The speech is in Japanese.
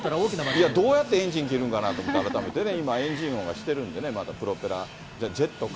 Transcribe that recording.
いや、どうやってエンジン切るのかなと思ってね、改めてね、今エンジン音がしてるんでね、プロペラ、ジェットか。